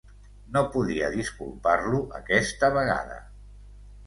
No podia disculpar-lo aquesta vegada.